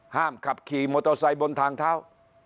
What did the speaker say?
ห้ามขับขี่มอเตอร์ไซค์บนทางเท้า